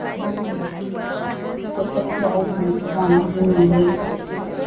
Ukosefu au upungufu wa maji mwilini